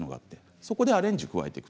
それにアレンジを加えていく。